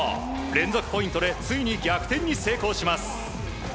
連続ポイントでついに逆転に成功します。